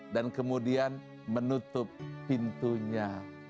dan kemudian menutup pintunya